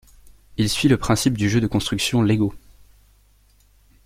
Il suit le principe du jeu de construction Lego.